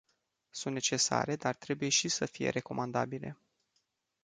Sunt necesare, dar trebuie și să fie recomandabile.